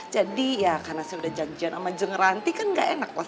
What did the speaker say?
jadi ya karena saya udah janjian sama jeng ranti kan nggak enak lah